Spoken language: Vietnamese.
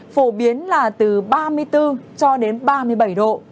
phổ biến là từ ba mươi bốn cho đến ba mươi bảy độ